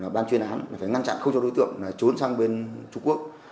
ban chuyên án phải ngăn chặn không cho đối tượng trốn sang bên trung quốc